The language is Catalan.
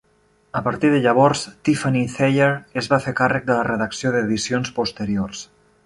A partir de llavors, Tiffany Thayer es va fer càrrec de la redacció d'edicions posteriors.